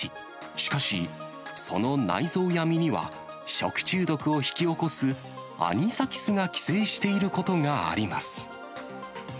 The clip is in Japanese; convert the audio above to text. しかし、その内臓や身には、食中毒を引き起こすアニサキスが寄生していることがあります。